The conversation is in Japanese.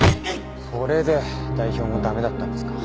それで代表も駄目だったんですか。